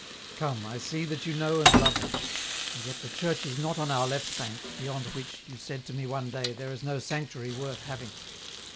" Come, I see that you know and love it ; and yet the church is not on our left bank, beyond which, you said to me one day, there is no sanctuary worth having."